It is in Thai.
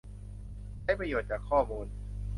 ใช้ประโยชน์จากข้อมูล